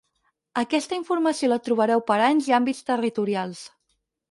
Aquesta informació la trobareu per anys i àmbits territorials.